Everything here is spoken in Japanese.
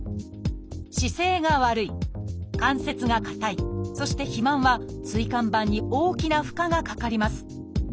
「姿勢が悪い」「関節が硬い」そして「肥満」は椎間板に大きな負荷がかかります。